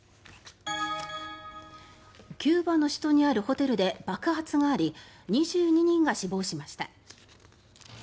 キューバの首都にあるホテルで爆発があり２２人が死亡しました。